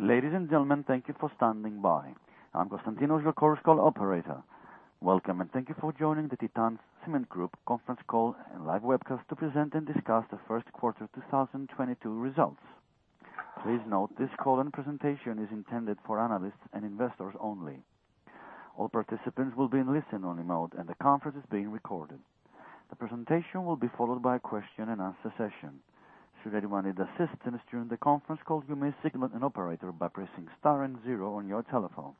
Ladies and gentlemen, thank you for standing by. I'm Constantinos, your conference call operator. Welcome, and thank you for joining the Titan Cement Group conference call and live webcast to present and discuss the first quarter 2022 results. Please note this call and presentation is intended for analysts and investors only. All participants will be in listen-only mode, and the conference is being recorded. The presentation will be followed by a Q&A session. Should anyone need assistance during the conference call, you may signal an operator by pressing star and zero on your telephone.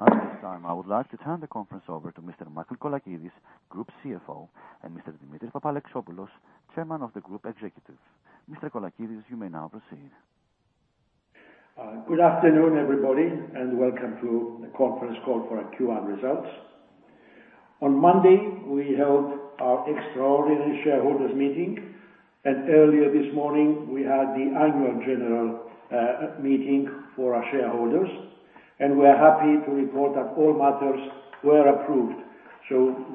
At this time, I would like to turn the conference over to Mr. Michael Colakides, Group CFO, and Mr. Dimitri Papalexopoulos, Chairman of the Group Executives. Mr. Colakides, you may now proceed. Good afternoon, everybody, and welcome to the conference call for our Q1 results. On Monday, we held our extraordinary shareholders meeting, and earlier this morning we had the annual general meeting for our shareholders. We're happy to report that all matters were approved.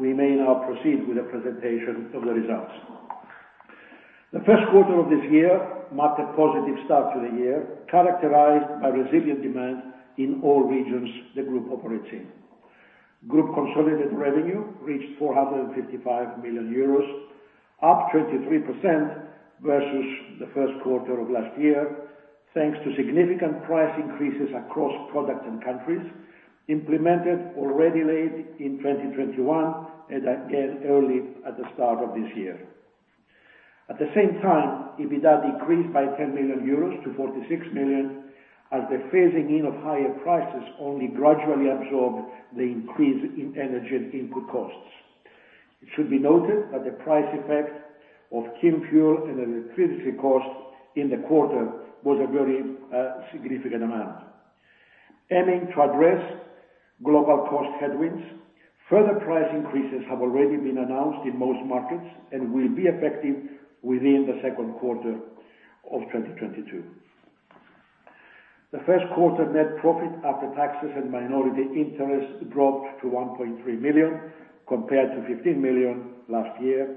We may now proceed with the presentation of the results. The first quarter of this year marked a positive start to the year, characterized by resilient demand in all regions the group operates in. Group consolidated revenue reached 455 million euros, up 23% versus the first quarter of last year, thanks to significant price increases across products and countries implemented already late in 2021 and again early at the start of this year. At the same time, EBITDA decreased by 10 million-46 million euros, as the phasing in of higher prices only gradually absorbed the increase in energy and input costs. It should be noted that the price effect of kiln fuel and electricity costs in the quarter was a very significant amount. Aiming to address global cost headwinds, further price increases have already been announced in most markets and will be effective within the second quarter of 2022. The first quarter net profit after taxes and minority interest dropped to 1.3 million compared to 15 million last year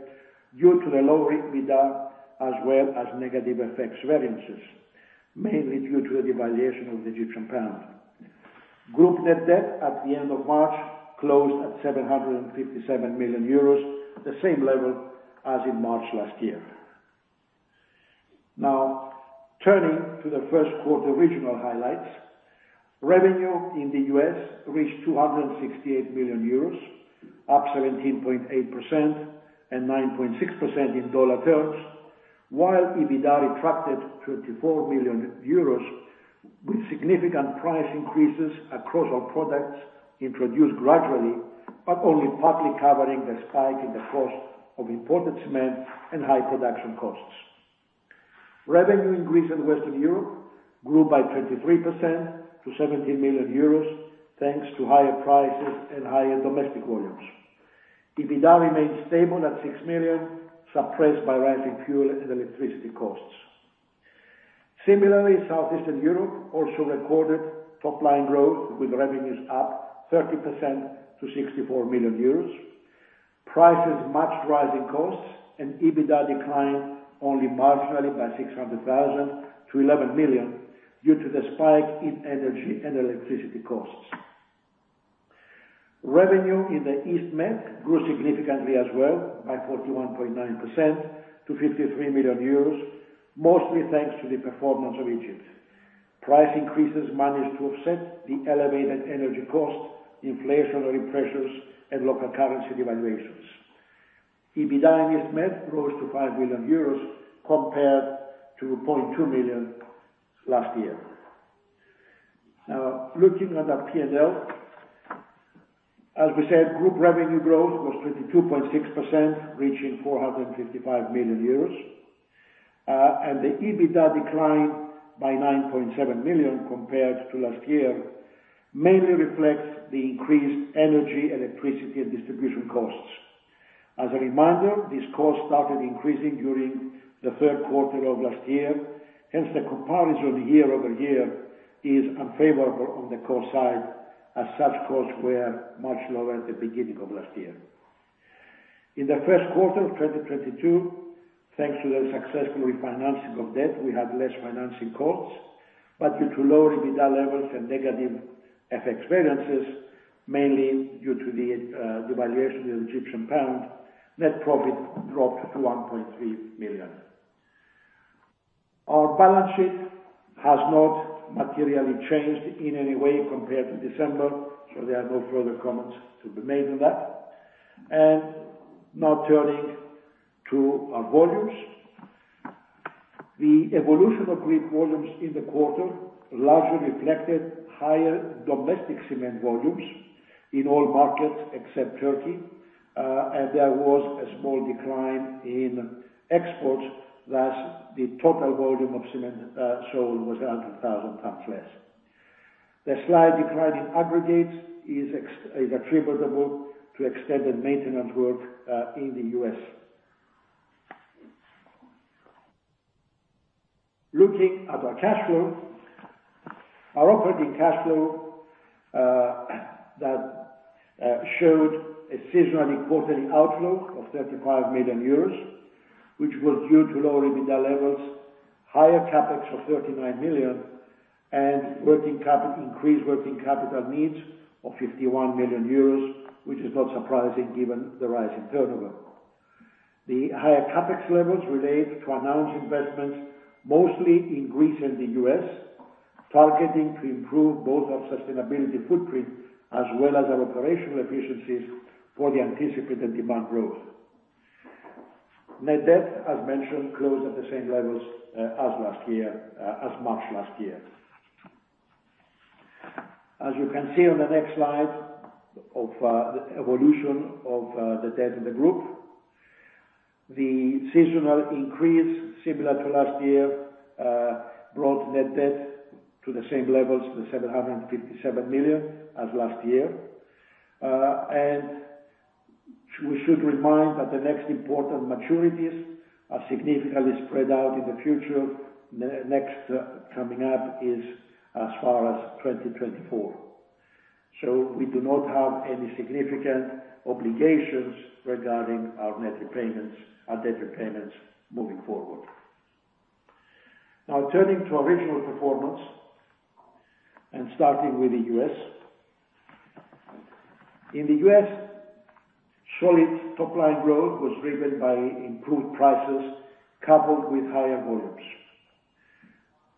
due to the lower EBITDA, as well as negative FX variances, mainly due to the devaluation of the Egyptian pound. Group net debt at the end of March closed at 757 million euros, the same level as in March last year. Now, turning to the first quarter regional highlights. Revenue in the U.S. reached 268 million euros, up 17.8% and 9.6% in dollar terms, while EBITDA retracted 24 million euros with significant price increases across our products introduced gradually, but only partly covering the spike in the cost of imported cement and high production costs. Revenue in Greece and Western Europe grew by 23% to 70 million euros, thanks to higher prices and higher domestic volumes. EBITDA remains stable at 6 million, suppressed by rising fuel and electricity costs. Similarly, Southeastern Europe also recorded top line growth with revenues up 30% to 64 million euros. Prices matched rising costs and EBITDA declined only marginally by 0.6 million-11 million due to the spike in energy and electricity costs. Revenue in the East Med grew significantly as well by 41.9% to 53 million euros, mostly thanks to the performance of Egypt. Price increases managed to offset the elevated energy cost, inflationary pressures, and local currency devaluations. EBITDA in East Med rose to 5 million euros compared to 0.2 million last year. Now looking at our P&L. As we said, group revenue growth was 22.6%, reaching 455 million euros. And the EBITDA declined by 9.7 million compared to last year, mainly reflects the increased energy, electricity and distribution costs. As a reminder, these costs started increasing during the third quarter of last year. Hence the comparison year-over-year is unfavorable on the cost side as such costs were much lower at the beginning of last year. In the first quarter of 2022, thanks to the successful refinancing of debt, we had less financing costs. Due to lower EBITDA levels and negative FX variances, mainly due to the devaluation of the Egyptian pound, net profit dropped to 1.3 million. Our balance sheet has not materially changed in any way compared to December, so there are no further comments to be made on that. Now turning to our volumes. The evolution of group volumes in the quarter largely reflected higher domestic cement volumes in all markets except Turkey. There was a small decline in exports. Thus, the total volume of cement sold was 100,000 tons less. The slight decline in aggregates is attributable to extended maintenance work in the U.S. Looking at our cash flow. Our operating cash flow that showed a seasonal quarterly outflow of 35 million euros, which was due to lower EBITDA levels, higher CapEx of 39 million, and increased working capital needs of 51 million euros, which is not surprising given the rise in turnover. The higher CapEx levels relate to announced investments, mostly in Greece and the US, targeting to improve both our sustainability footprint as well as our operational efficiencies for the anticipated demand growth. Net debt, as mentioned, closed at the same levels as last year, as March last year. As you can see on the next slide of evolution of the debt of the group. The seasonal increase similar to last year brought net debt to the same levels to 757 million as last year. We should remind that the next important maturities are significantly spread out in the future. Next, coming up is as far as 2024. We do not have any significant obligations regarding our net repayments, our debt repayments moving forward. Now turning to operational performance and starting with the U.S. In the U.S., solid top line growth was driven by improved prices coupled with higher volumes.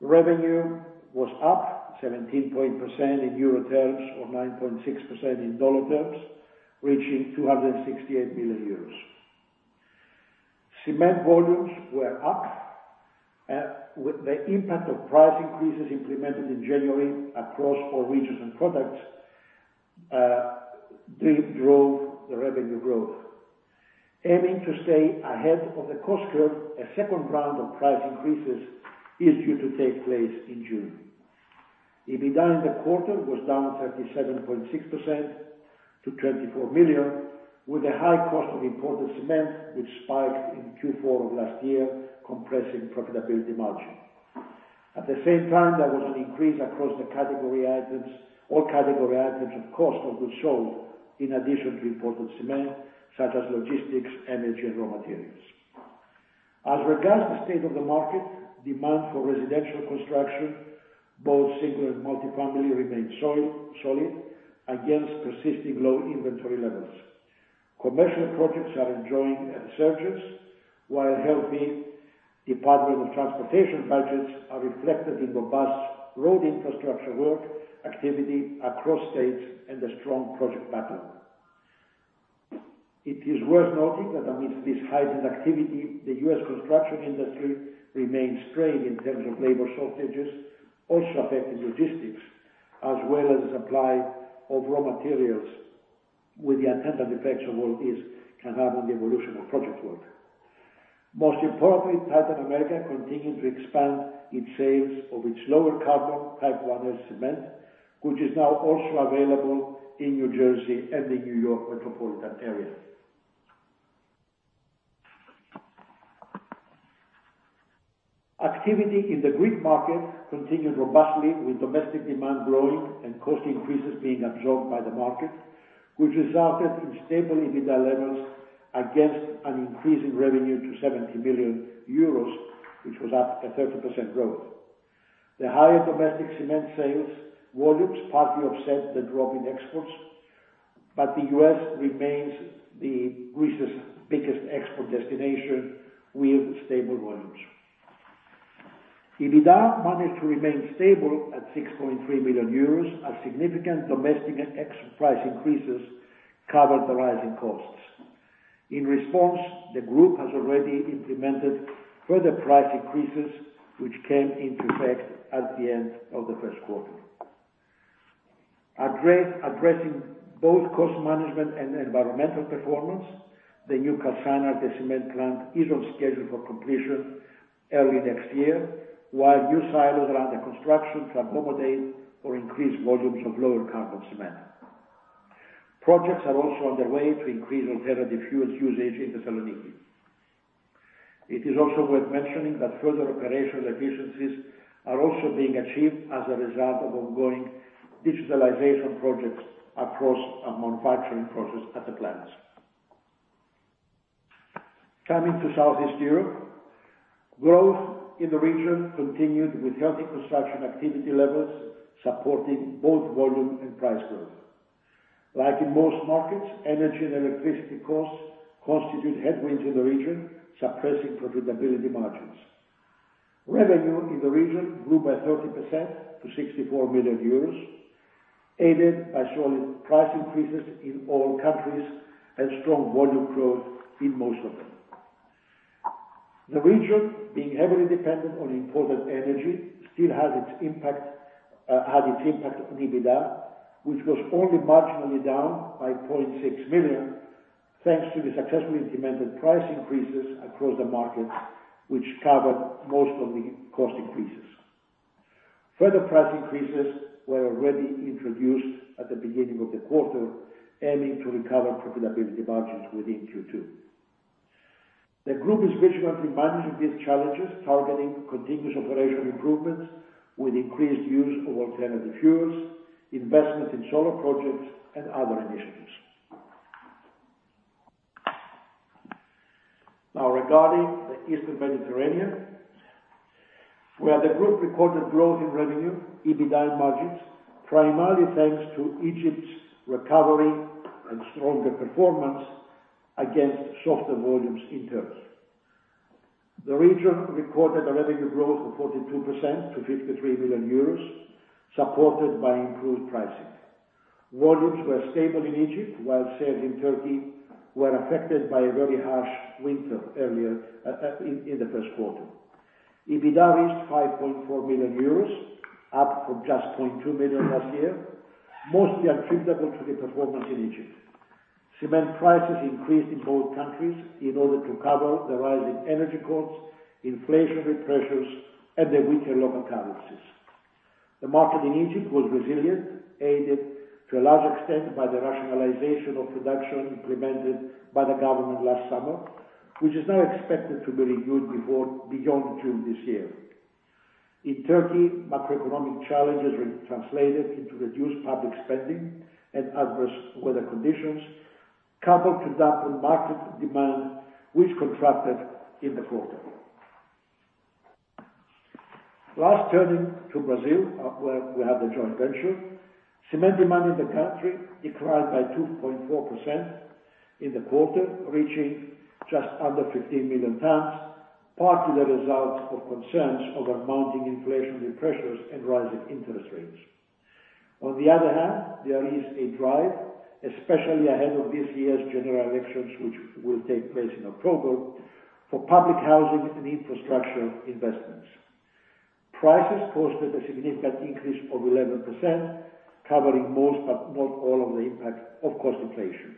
Revenue was up 17.8% in EUR terms or 9.6% in dollar terms, reaching 268 million euros. Cement volumes were up, with the impact of price increases implemented in January across all regions and products, they drove the revenue growth. Aiming to stay ahead of the cost curve, a second round of price increases is due to take place in June. EBITDA in the quarter was down 37.6% to 24 million, with a high cost of imported cement which spiked in Q4 of last year, compressing profitability margin. At the same time, there was an increase across the category items of cost of goods sold in addition to imported cement, such as logistics, energy and raw materials. As regards to the state of the market, demand for residential construction, both single and multi-family remained solid against persisting low inventory levels. Commercial projects are enjoying surges, while healthy Department of Transportation budgets are reflected in robust road infrastructure work activity across states and a strong project pipeline. It is worth noting that amidst this heightened activity, the U.S. construction industry remains strained in terms of labor shortages, also affecting logistics as well as the supply of raw materials with the attendant effects that all this can have on the evolution of project work. Most importantly, Titan America continued to expand its sales of its lower carbon Type 1L cement, which is now also available in New Jersey and the New York metropolitan area. Activity in the Greek market continued robustly with domestic demand growing and cost increases being absorbed by the market, which resulted in stable EBITDA levels against an increase in revenue to 70 million euros, which was up at 30% growth. The higher domestic cement sales volumes partly offset the drop in exports, but the U.S. remains Greece's biggest export destination with stable volumes. EBITDA managed to remain stable at 6.3 million euros as significant domestic and export price increases covered the rising costs. In response, the group has already implemented further price increases, which came into effect at the end of the first quarter. Addressing both cost management and environmental performance, the new Kamari cement plant is on schedule for completion early next year, while new silos are under construction to accommodate for increased volumes of lower carbon cement. Projects are also underway to increase alternative fuel usage in Thessaloniki. It is also worth mentioning that further operational efficiencies are also being achieved as a result of ongoing digitalization projects across our manufacturing process at the plants. Coming to Southeast Europe. Growth in the region continued with healthy construction activity levels, supporting both volume and price growth. Like in most markets, energy and electricity costs constitute headwinds in the region, suppressing profitability margins. Revenue in the region grew by 30% to 64 million euros, aided by solid price increases in all countries and strong volume growth in most of them. The region, being heavily dependent on imported energy, still had its impact on EBITDA, which was only marginally down by 0.6 million, thanks to the successfully implemented price increases across the market, which covered most of the cost increases. Further price increases were already introduced at the beginning of the quarter, aiming to recover profitability margins within Q2. The group is vigorously managing these challenges, targeting continuous operational improvements with increased use of alternative fuels, investments in solar projects, and other initiatives. Now, regarding the Eastern Mediterranean, where the group recorded growth in revenue, EBITDA margins, primarily thanks to Egypt's recovery and stronger performance against softer volumes in Turkey. The region recorded a revenue growth of 42% to 53 million euros, supported by improved pricing. Volumes were stable in Egypt, while sales in Turkey were affected by a very harsh winter earlier in the first quarter. EBITDA is 5.4 million euros, up from just 0.2 million last year, mostly attributable to the performance in Egypt. Cement prices increased in both countries in order to cover the rise in energy costs, inflationary pressures, and the weaker local currencies. The market in Egypt was resilient, aided to a large extent by the rationalization of production implemented by the government last summer, which is now expected to be extended beyond June this year. In Turkey, macroeconomic challenges translated into reduced public spending and adverse weather conditions, coupled with that market demand, which contracted in the quarter. Last, turning to Brazil, where we have the joint venture. Cement demand in the country declined by 2.4% in the quarter, reaching just under 15 million tons, partly the result of concerns over mounting inflationary pressures and rising interest rates. On the other hand, there is a drive, especially ahead of this year's general elections, which will take place in October, for public housing and infrastructure investments. Prices posted a significant increase of 11%, covering most, but not all of the impact of cost inflation.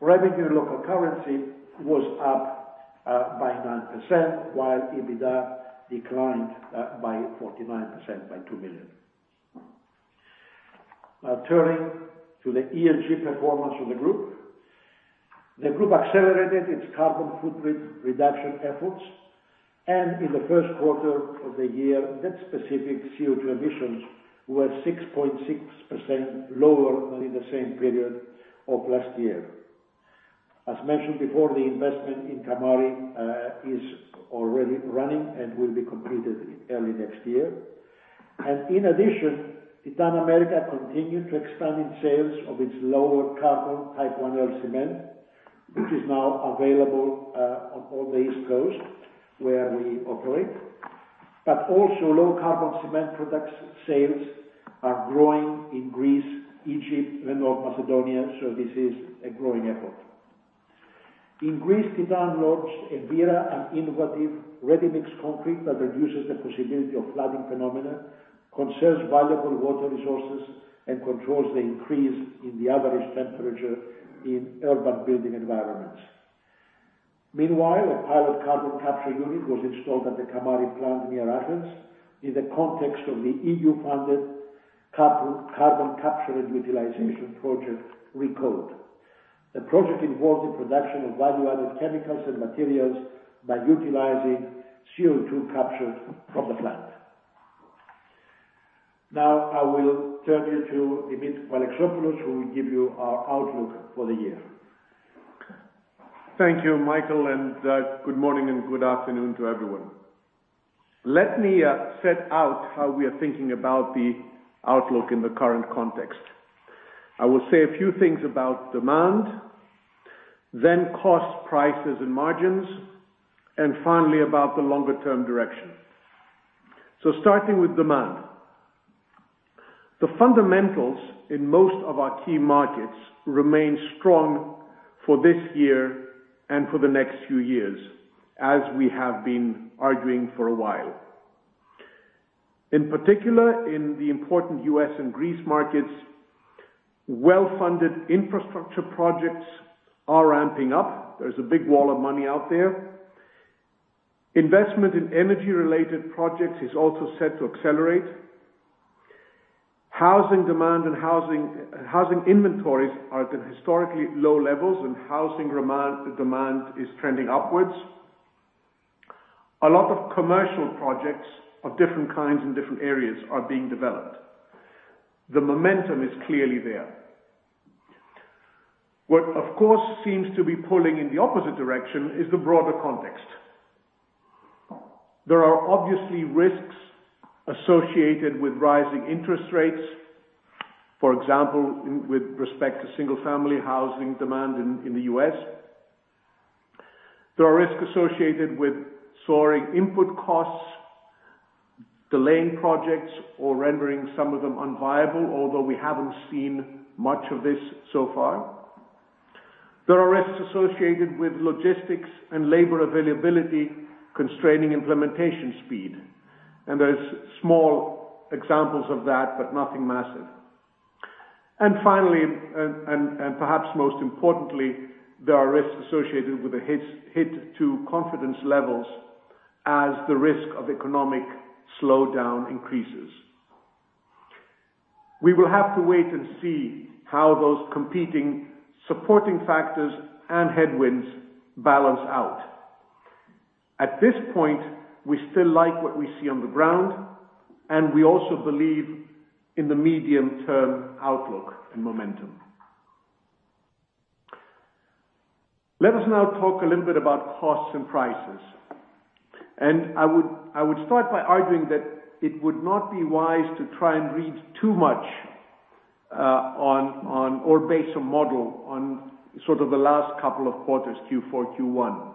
Revenue in local currency was up by 9%, while EBITDA declined by 49% to 2 million. Now, turning to the ESG performance of the group. The group accelerated its carbon footprint reduction efforts. In the first quarter of the year, net specific CO2 emissions were 6.6% lower than in the same period of last year. As mentioned before, the investment in Kamari is already running and will be completed early next year. In addition, Titan America continued to expand in sales of its lower carbon Type 1L cement, which is now available on all the East Coast where we operate. Also low carbon cement products sales are growing in Greece, Egypt, and North Macedonia, so this is a growing effort. In Greece, Titan launched EVIRA, an innovative ready-mix concrete that reduces the possibility of flooding phenomena, conserves valuable water resources, and controls the increase in the average temperature in urban building environments. Meanwhile, a pilot carbon capture unit was installed at the Kamari plant near Athens in the context of the EU-funded Carbon Capture and Utilisation project, RECODE. The project involves the production of value-added chemicals and materials by utilizing CO2 captured from the plant. Now, I will turn you to Dimitri Papalexopoulos, who will give you our outlook for the year. Thank you, Michael, and good morning and good afternoon to everyone. Let me set out how we are thinking about the outlook in the current context. I will say a few things about demand, then cost, prices, and margins, and finally about the longer-term direction. Starting with demand. The fundamentals in most of our key markets remain strong for this year and for the next few years, as we have been arguing for a while. In particular, in the important U.S. and Greece markets, well-funded infrastructure projects are ramping up. There's a big wall of money out there. Investment in energy-related projects is also set to accelerate. Housing demand and housing inventories are at historically low levels, and housing demand is trending upwards. A lot of commercial projects of different kinds in different areas are being developed. The momentum is clearly there. What, of course, seems to be pulling in the opposite direction is the broader context. There are obviously risks associated with rising interest rates. For example, with respect to single-family housing demand in the U.S. There are risks associated with soaring input costs, delaying projects or rendering some of them unviable, although we haven't seen much of this so far. There are risks associated with logistics and labor availability constraining implementation speed, and there's small examples of that, but nothing massive. Finally, perhaps most importantly, there are risks associated with the hit to confidence levels as the risk of economic slowdown increases. We will have to wait and see how those competing supporting factors and headwinds balance out. At this point, we still like what we see on the ground, and we also believe in the medium-term outlook and momentum. Let us now talk a little bit about costs and prices. I would start by arguing that it would not be wise to try and read too much on or base a model on sort of the last couple of quarters, Q4, Q1.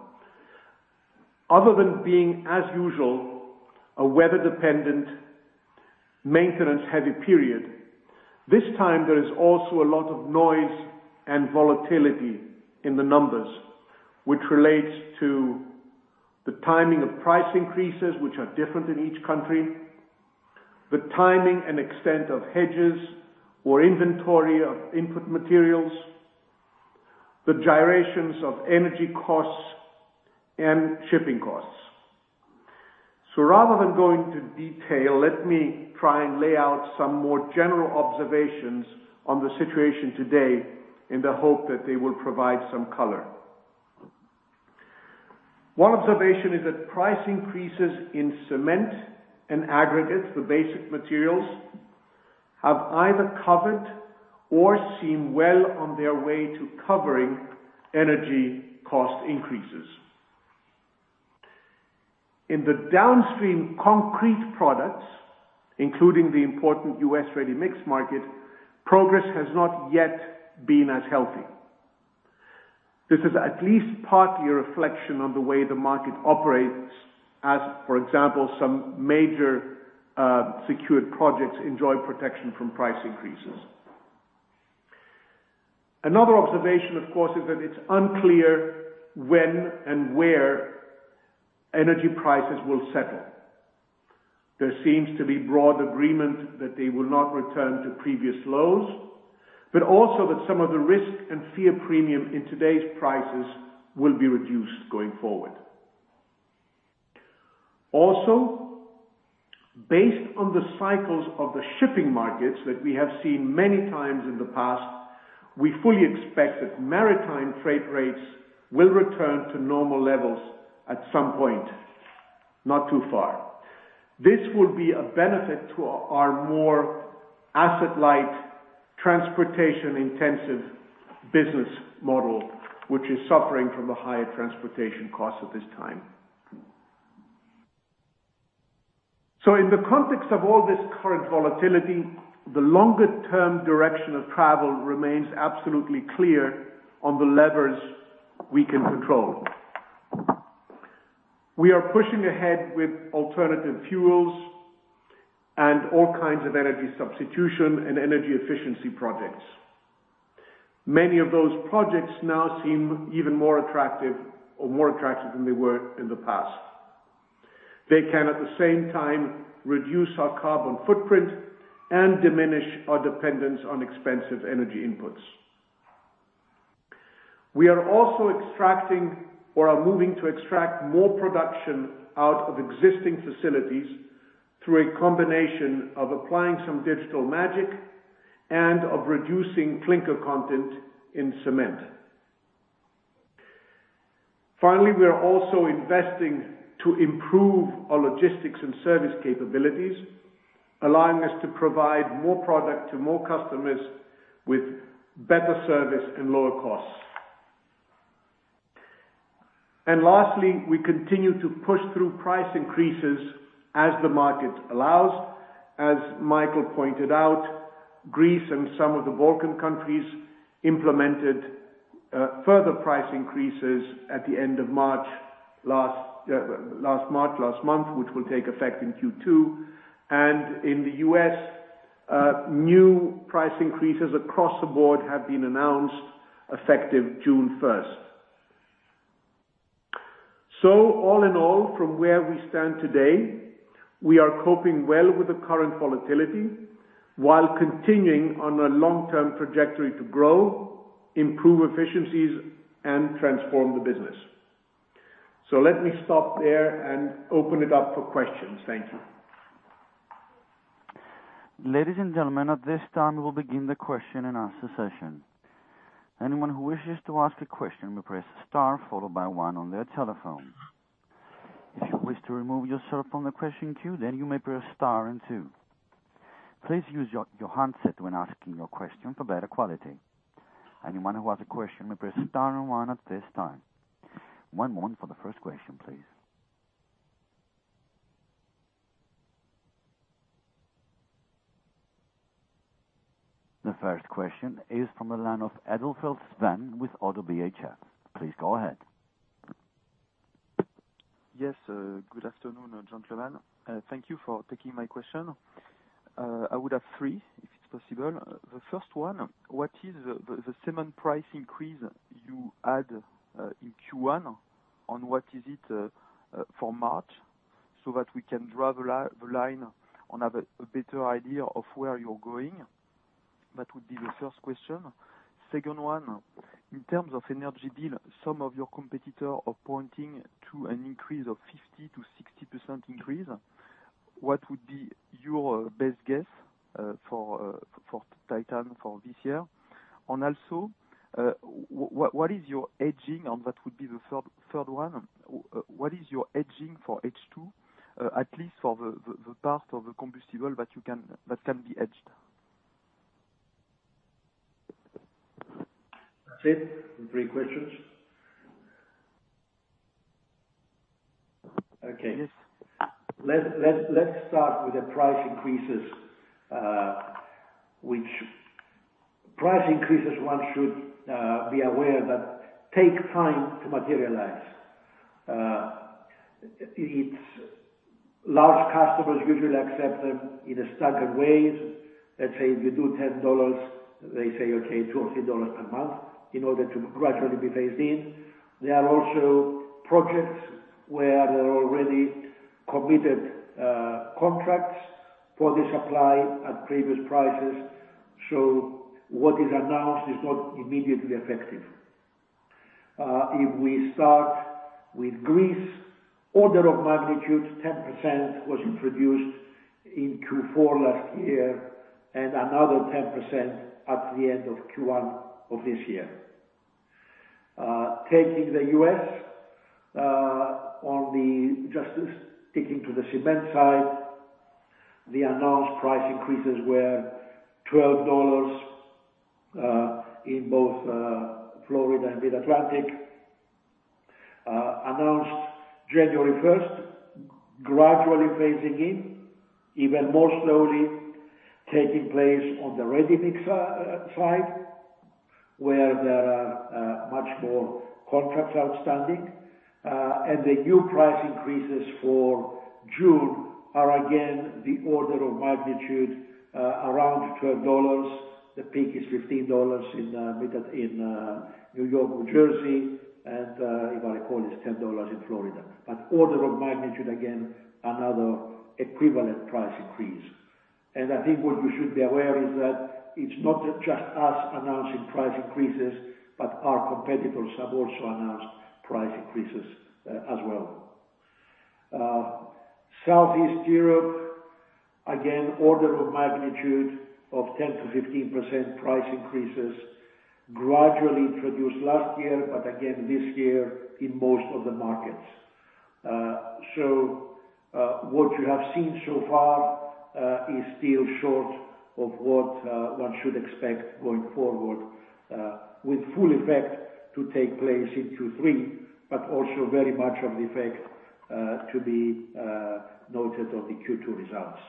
Other than being, as usual, a weather-dependent, maintenance-heavy period, this time there is also a lot of noise and volatility in the numbers, which relates to the timing of price increases, which are different in each country, the timing and extent of hedges or inventory of input materials, the gyrations of energy costs and shipping costs. Rather than going into detail, let me try and lay out some more general observations on the situation today in the hope that they will provide some color. One observation is that price increases in cement and aggregates, the basic materials, have either covered or seem well on their way to covering energy cost increases. In the downstream concrete products, including the important U.S. ready-mix market, progress has not yet been as healthy. This is at least partly a reflection on the way the market operates as, for example, some major, secured projects enjoy protection from price increases. Another observation, of course, is that it's unclear when and where energy prices will settle. There seems to be broad agreement that they will not return to previous lows, but also that some of the risk and fear premium in today's prices will be reduced going forward. Also, based on the cycles of the shipping markets that we have seen many times in the past, we fully expect that maritime trade rates will return to normal levels at some point, not too far. This will be a benefit to our more asset-light, transportation-intensive business model, which is suffering from the higher transportation costs at this time. In the context of all this current volatility, the longer-term direction of travel remains absolutely clear on the levers we can control. We are pushing ahead with alternative fuels and all kinds of energy substitution and energy efficiency projects. Many of those projects now seem even more attractive or more attractive than they were in the past. They can, at the same time, reduce our carbon footprint and diminish our dependence on expensive energy inputs. We are also extracting or are moving to extract more production out of existing facilities through a combination of applying some digital magic and of reducing clinker content in cement. Finally, we are also investing to improve our logistics and service capabilities, allowing us to provide more product to more customers with better service and lower costs. Lastly, we continue to push through price increases as the market allows. As Michael pointed out, Greece and some of the Balkan countries implemented further price increases at the end of last March, last month, which will take effect in Q2. In the U.S., new price increases across the board have been announced effective June first. All in all, from where we stand today, we are coping well with the current volatility while continuing on a long-term trajectory to grow, improve efficiencies, and transform the business. Let me stop there and open it up for questions. Thank you. Ladies and gentlemen, at this time, we'll begin the Q&A session. Anyone who wishes to ask a question may press star followed by one on their telephone. If you wish to remove yourself from the question queue, then you may press star and two. Please use your handset when asking your question for better quality. Anyone who has a question may press star and one at this time. One moment for the first question, please. The first question is from the line of Adolfo Espin with ODDO BHF. Please go ahead. Yes, good afternoon, gentlemen. Thank you for taking my question. I would have three if it's possible. The first one, what is the cement price increase you had in Q1, and what is it for March, so that we can draw the line and have a better idea of where you're going? That would be the first question. Second one, in terms of energy deal, some of your competitor are pointing to an increase of 50%-60% increase. What would be your best guess for Titan for this year? And also, what is your hedging, and that would be the third one. What is your hedging for H2, at least for the part of the combustible that can be hedged? That's it? The three questions. Okay. Yes. Let's start with the price increases. Which price increases one should be aware that take time to materialize. It's large customers usually accept them in a staggered ways. Let's say if you do $10, they say okay $2 or $3 per month in order to gradually be phased in. There are also projects where they're already committed contracts for the supply at previous prices. So what is announced is not immediately effective. If we start with Greece, order of magnitude 10% was introduced in Q4 last year, and another 10% at the end of Q1 of this year. In the U.S., just sticking to the cement side, the announced price increases were $12 in both Florida and Mid-Atlantic. Announced January 1st, gradually phasing in, even more slowly taking place on the ready mix side, where there are much more contracts outstanding. The new price increases for June are again the order of magnitude around $12. The peak is $15 in New York, New Jersey, and if I recall, it's $10 in Florida. Order of magnitude, again, another equivalent price increase. I think what you should be aware is that it's not just us announcing price increases, but our competitors have also announced price increases as well. Southeast Europe, again, order of magnitude of 10%-15% price increases gradually introduced last year, but again this year in most of the markets. What you have seen so far is still short of what one should expect going forward, with full effect to take place in Q3, but also very much of the effect to be noted on the Q2 results.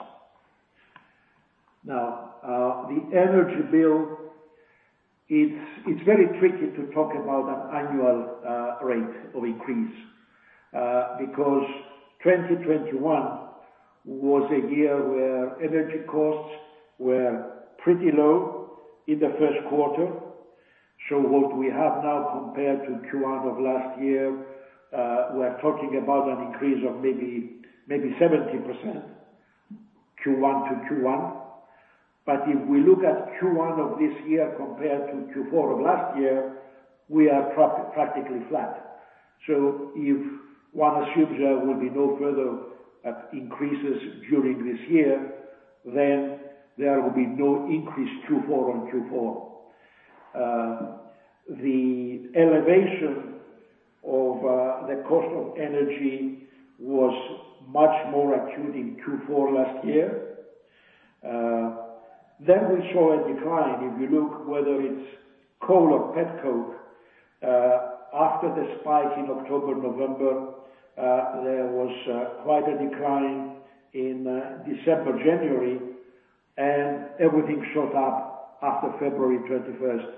Now, the energy bill, it's very tricky to talk about an annual rate of increase. Because 2021 was a year where energy costs were pretty low in the first quarter. What we have now compared to Q1 of last year, we're talking about an increase of maybe 70% Q1 to Q1. But if we look at Q1 of this year compared to Q4 of last year, we are practically flat. If one assumes there will be no further increases during this year, then there will be no increase Q4 on Q4. The elevation of the cost of energy was much more acute in Q4 last year. We saw a decline. If you look whether it's coal or petcoke, after the spike in October, November, there was quite a decline in December, January, and everything shot up after February 21st,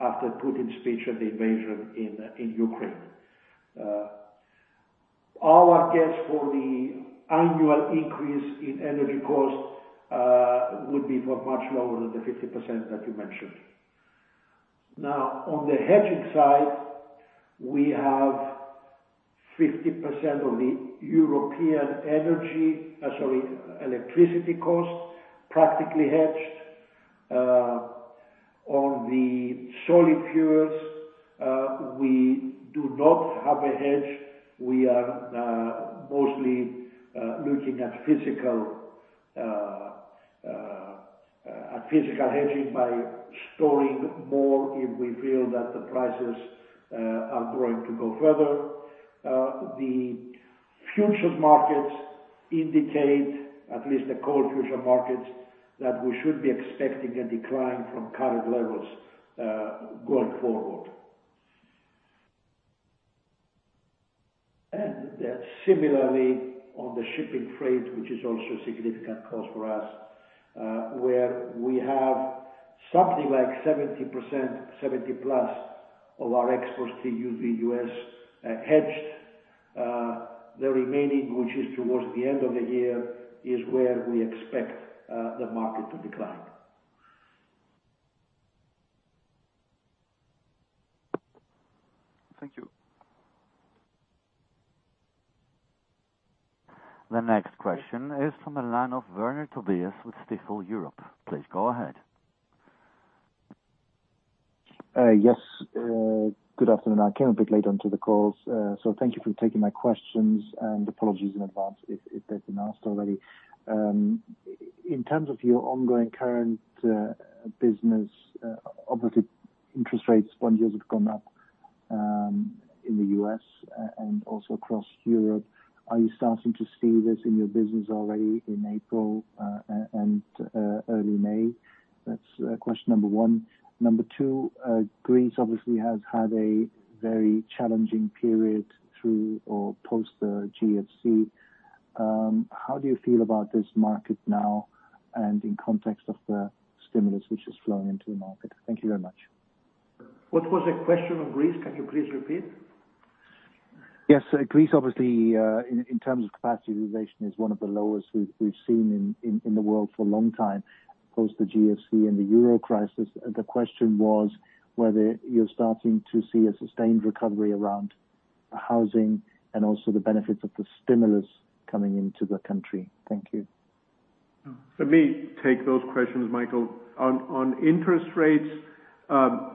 after Putin's speech on the invasion in Ukraine. Our guess for the annual increase in energy cost would be for much lower than the 50% that you mentioned. Now, on the hedging side, we have 50% of the European energy, sorry, electricity costs practically hedged. On the solid fuels, we do not have a hedge. We are mostly looking at physical hedging by storing more if we feel that the prices are going to go further. The futures markets indicate, at least the coal future markets, that we should be expecting a decline from current levels, going forward. Similarly, on the shipping freight, which is also a significant cost for us, where we have something like 70%, 70+ of our exports to the U.S., hedged. The remaining, which is towards the end of the year, is where we expect the market to decline. Thank you. The next question is from the line of Tobias Woerner with Stifel Europe. Please go ahead. Good afternoon. I came a bit late onto the call, so thank you for taking my questions and apologies in advance if they've been asked already. In terms of your ongoing current business, obviously interest rates one year have gone up in the U.S. and also across Europe. Are you starting to see this in your business already in April and early May? That's question number one. Number two, Greece obviously has had a very challenging period through or post the GFC. How do you feel about this market now and in context of the stimulus which is flowing into the market? Thank you very much. What was the question on Greece? Can you please repeat? Yes. Greece obviously, in terms of capacity utilization, is one of the lowest we've seen in the world for a long time, post the GFC and the Euro crisis. The question was whether you're starting to see a sustained recovery around housing and also the benefits of the stimulus coming into the country. Thank you. Let me take those questions, Michael. On interest rates,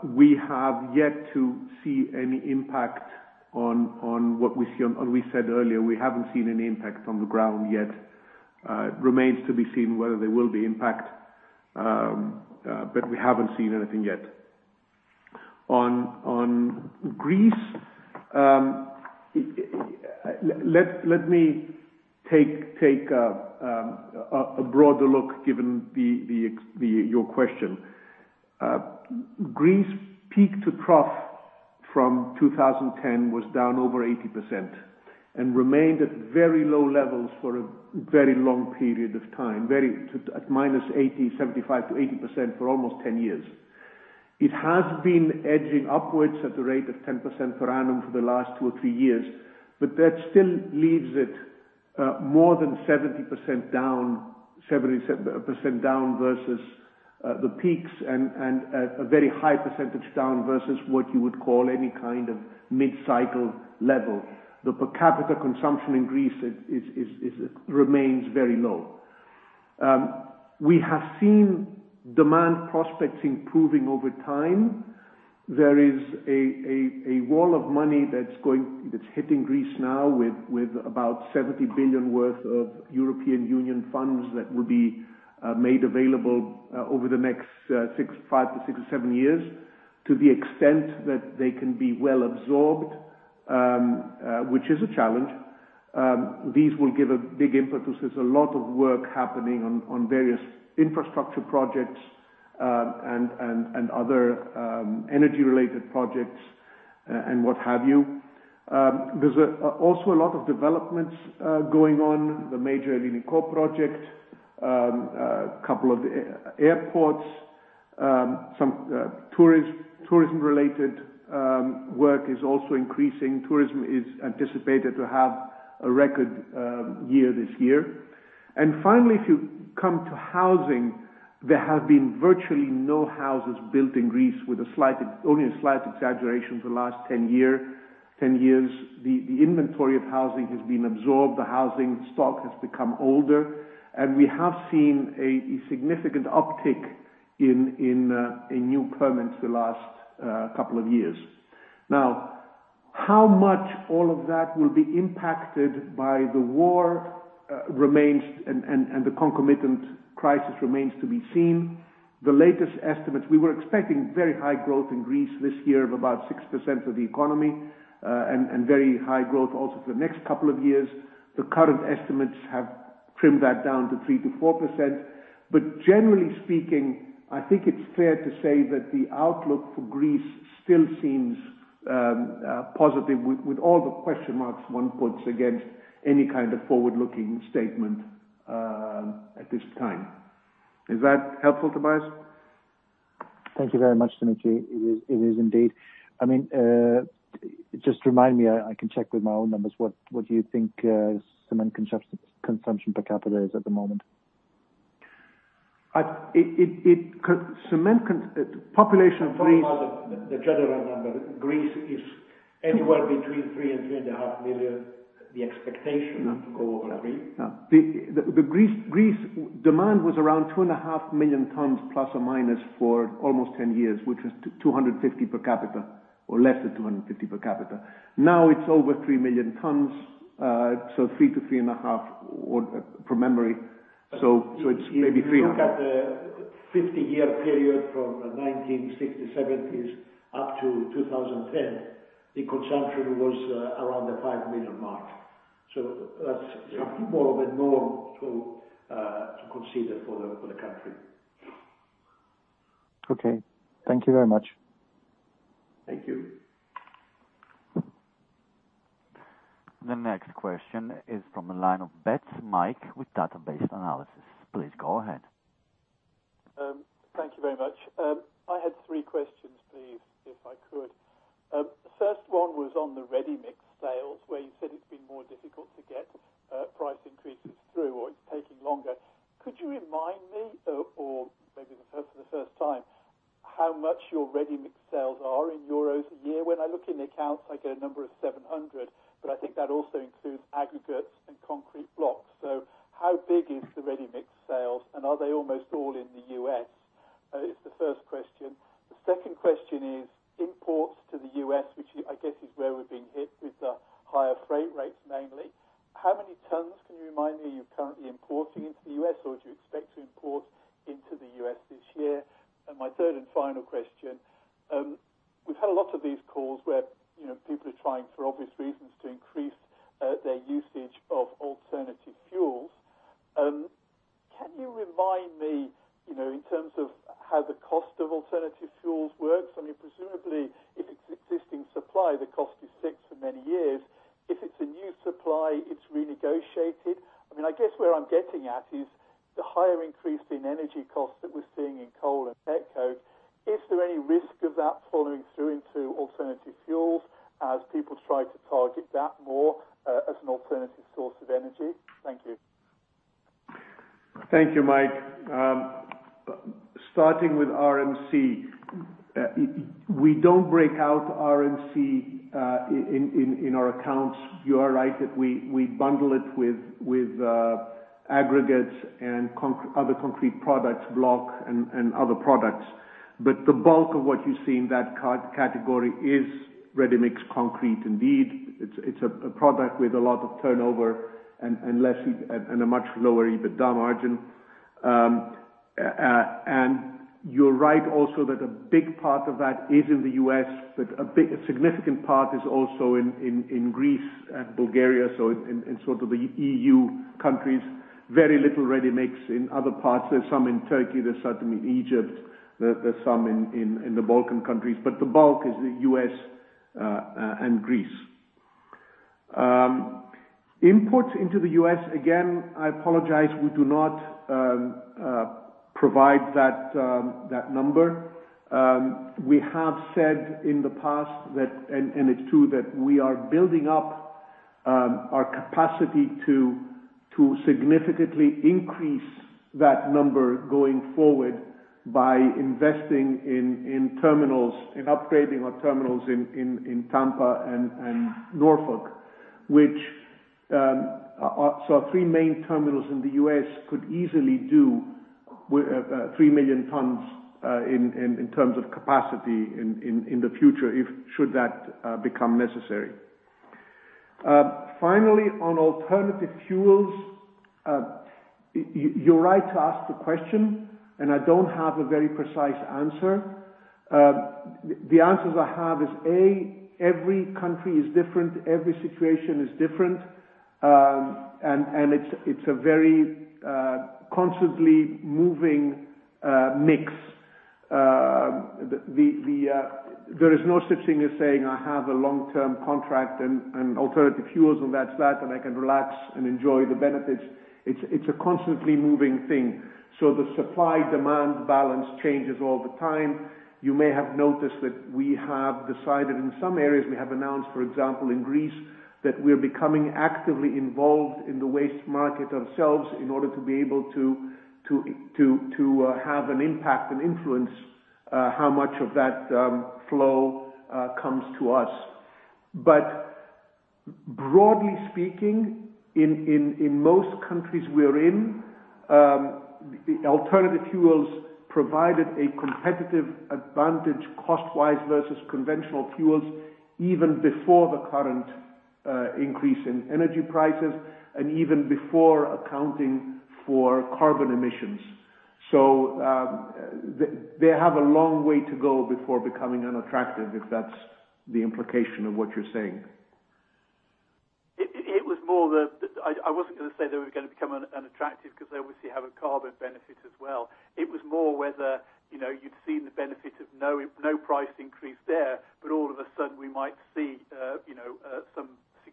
we have yet to see any impact on what we see. As we said earlier, we haven't seen any impact on the ground yet. It remains to be seen whether there will be impact, but we haven't seen anything yet. On Greece, let me take a broader look given your question. Greece peak to trough from 2010 was down over 80% and remained at very low levels for a very long period of time, very at minus 80, 75%-80% for almost 10 years. It has been edging upwards at the rate of 10% per annum for the last two or three years, but that still leaves it more than 70% down versus the peaks and a very high percentage down versus what you would call any kind of mid-cycle level. The per capita consumption in Greece remains very low. We have seen demand prospects improving over time. There is a wall of money that's hitting Greece now with about 70 billion worth of European Union funds that will be made available over the next five to six to seven years. To the extent that they can be well absorbed, which is a challenge, these will give a big impetus. There's a lot of work happening on various infrastructure projects, and other energy related projects and what have you. There's also a lot of developments going on. The major Elliniko project, couple of airports, some tourism related work is also increasing. Tourism is anticipated to have a record year this year. Finally, if you come to housing, there have been virtually no houses built in Greece with only a slight exaggeration for the last 10 years. The inventory of housing has been absorbed, the housing stock has become older, and we have seen a significant uptick in new permits the last couple of years. Now, how much all of that will be impacted by the war and the concomitant crisis remains to be seen. The latest estimates. We were expecting very high growth in Greece this year of about 6% of the economy, and very high growth also for the next couple of years. The current estimates have trimmed that down to 3%-4%. Generally speaking, I think it's fair to say that the outlook for Greece still seems positive with all the question marks one puts against any kind of forward-looking statement, at this time. Is that helpful, Tobias? Thank you very much, Dimitri. It is indeed. I mean, just remind me, I can check with my own numbers, what do you think, cement consumption per capita is at the moment? Population of Greece The general number, Greece, is anywhere between 3 and 3.5 million, the expectation to go over 3. No. The Greece demand was around 2.5 million tons ± for almost 10 years, which was two hundred fifty per capita or less than two hundred fifty per capita. Now it's over 3 million tons, so 3-3.5 or from memory, so it's maybe three- If you look at the 50-year period from the 1960s, 1970s up to 2010, the consumption was around the 5 million mark. That's a bit more of a norm to consider for the country. Okay. Thank you very much. Thank you. The next question is from the line of Mike Betts with Jefferies. Please go ahead. Thank you very much. I had three questions, please, if I could. First one was on the ready-mix sales, where you said it's been more difficult to get price increases through or it's taking longer. Could you remind me, for the first time, how much your ready-mix sales are in EUR a year. When I look in the accounts, I get a number of 700, but I think that also includes aggregates and concrete blocks. So how big is the ready-mix sales and are they almost all in the US? Is the first question. The second question is imports to the U.S., which I guess is where we're being hit with the higher freight rates, mainly. How many tons can you remind me you're currently importing into the U.S., or do you expect to import into the U.S. this year? My third and final question. We've had a lot of these calls where, you know, people are trying for obvious reasons, to increase their usage of alternative fuels. Can you remind me, you know, in terms of how the cost of alternative fuels works, I mean presumably if it's existing supply, the cost is fixed for many years. If it's a new supply, it's renegotiated. I mean, I guess where I'm getting at is the higher increase in energy costs that we're seeing in coal and petcoke. Is there any risk of that following through into alternative fuels as people try to target that more, as an alternative source of energy? Thank you. Thank you, Mike. Starting with RMC. We don't break out RMC in our accounts. You are right that we bundle it with aggregates and other concrete products, block and other products. But the bulk of what you see in that category is ready-mix concrete. Indeed, it's a product with a lot of turnover and less and a much lower EBITDA margin. You're right also that a big part of that is in the U.S., but a big significant part is also in Greece and Bulgaria, and sort of the E.U. countries. Very little ready-mix in other parts. There's some in Turkey, there's some in Egypt, there's some in the Balkan countries, but the bulk is the U.S. and Greece. Imports into the U.S., again, I apologize, we do not provide that number. We have said in the past that and it's true that we are building up our capacity to significantly increase that number going forward by investing in terminals and upgrading our terminals in Tampa and Norfolk. Which so our three main terminals in the U.S. could easily do 3 million tons in terms of capacity in the future, if should that become necessary. Finally, on alternative fuels, you're right to ask the question, and I don't have a very precise answer. The answers I have is A, every country is different, every situation is different, and it's a very constantly moving mix. There is no such thing as saying I have a long-term contract and alternative fuels, and that's that, and I can relax and enjoy the benefits. It's a constantly moving thing. The supply-demand balance changes all the time. You may have noticed that we have decided in some areas, we have announced, for example, in Greece, that we're becoming actively involved in the waste market ourselves in order to be able to have an impact and influence how much of that flow comes to us. Broadly speaking, in most countries we're in, alternative fuels provided a competitive advantage cost-wise versus conventional fuels, even before the current increase in energy prices and even before accounting for carbon emissions. They have a long way to go before becoming unattractive, if that's the implication of what you're saying. It was more. I wasn't gonna say they were gonna become unattractive 'cause they obviously have a carbon benefit as well. It was more whether, you know, you'd seen the benefit of no price increase there, but all of a sudden we might see, you know, some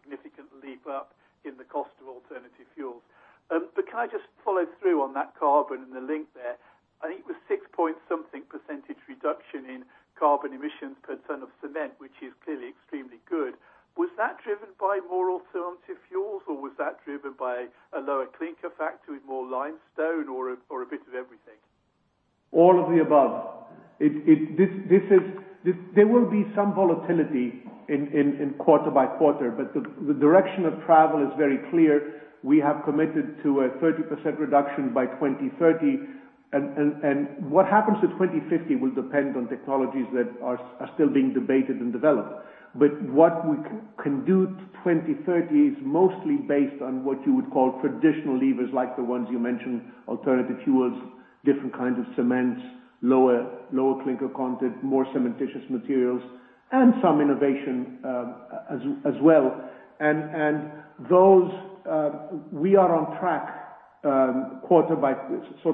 significant leap up in the cost of alternative fuels. Can I just follow through on that carbon and the link there? I think it was 6.something% reduction in carbon emissions per ton of cement, which is clearly extremely good. Was that driven by more alternative fuels, or was that driven by a lower clinker factor with more limestone or a bit of everything? All of the above. There will be some volatility in quarter by quarter, but the direction of travel is very clear. We have committed to a 30% reduction by 2030. What happens to 2050 will depend on technologies that are still being debated and developed. What we can do to 2030 is mostly based on what you would call traditional levers, like the ones you mentioned, alternative fuels, different kinds of cements, lower clinker content, more cementitious materials, and some innovation, as well. Those we are on track sort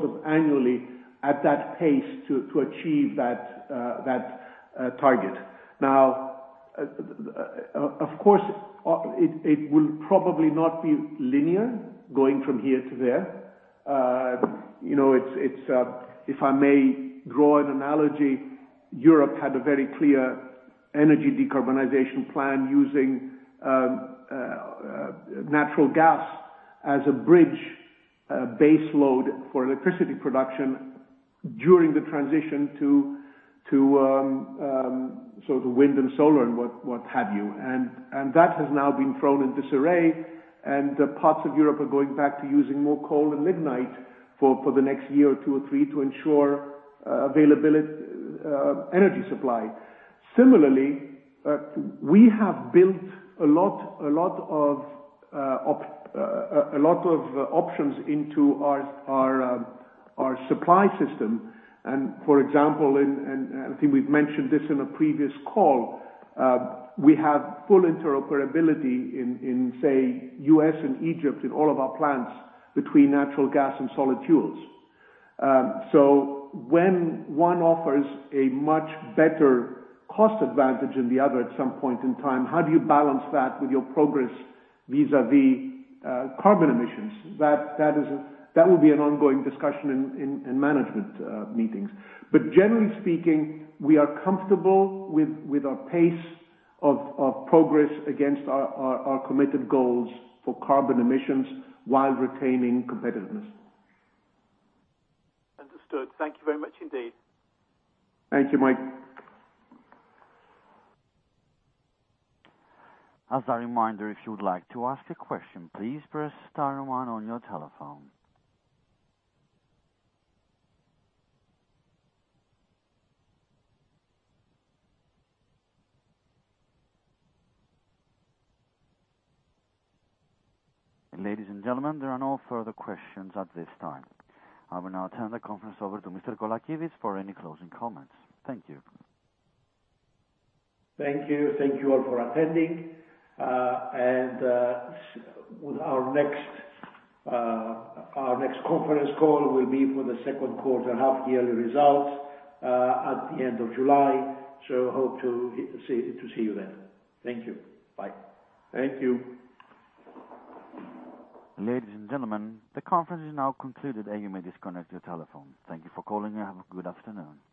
of annually at that pace to achieve that target. Now, of course, it will probably not be linear going from here to there. You know, if I may draw an analogy, Europe had a very clear energy decarbonization plan using natural gas as a bridge, base load for electricity production during the transition to so the wind and solar and what have you. That has now been thrown in disarray, and parts of Europe are going back to using more coal and lignite for the next year or two or three to ensure availability energy supply. Similarly, we have built a lot of options into our supply system. For example, I think we've mentioned this in a previous call. We have full interoperability in, say, U.S. and Egypt in all of our plants between natural gas and solid fuels. When one offers a much better cost advantage than the other at some point in time, how do you balance that with your progress vis-à-vis carbon emissions? That will be an ongoing discussion in management meetings. Generally speaking, we are comfortable with our pace of progress against our committed goals for carbon emissions while retaining competitiveness. Understood. Thank you very much indeed. Thank you, Mike. As a reminder, if you would like to ask a question, please press star one on your telephone. Ladies and gentlemen, there are no further questions at this time. I will now turn the conference over to Mr. Colakides for any closing comments. Thank you. Thank you. Thank you all for attending. Our next conference call will be for the second quarter half yearly results at the end of July. Hope to see you then. Thank you. Bye. Thank you. Ladies and gentlemen, the conference is now concluded, and you may disconnect your telephone. Thank you for calling, and have a good afternoon.